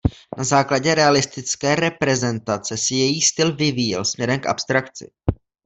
Na základě realistické reprezentace se její styl vyvíjel směrem k abstrakci.